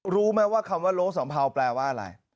รู้ไหมว่าคำว่าโล้สัมเภาแปลว่าอะไร